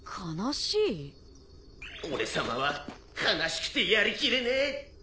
俺さまは悲しくてやりきれねえ。